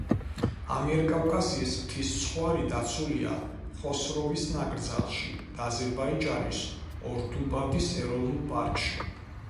ამიერკავკასიის მთის ცხვარი დაცულია ხოსროვის ნაკრძალში და აზერბაიჯანის ორდუბადის ეროვნულ პარკში.